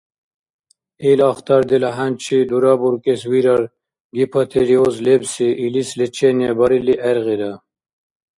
Ил ахтардила хӀянчи дурабуркӀес вирар гипотиреоз лебси, илис лечение барили гӀергъира.